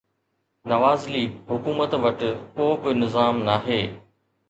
Nawaz League حڪومت وٽ ڪو به نظام ناهي.